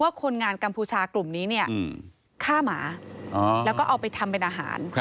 คนงานกัมพูชากลุ่มนี้เนี่ยฆ่าหมาแล้วก็เอาไปทำเป็นอาหาร